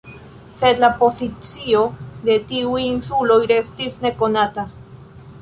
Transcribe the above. Sed la pozicio de tiuj insuloj restis nekonata.